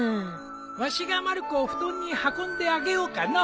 わしがまる子を布団に運んであげようかのう。